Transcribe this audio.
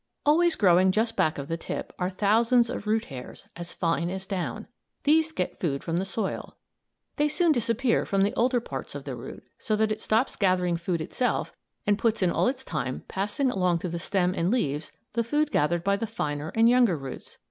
Always growing just back of the tip, are thousands of root hairs, as fine as down. These get food from the soil. They soon disappear from the older parts of the root, so that it stops gathering food itself and puts in all its time passing along to the stem and leaves the food gathered by the finer and younger roots.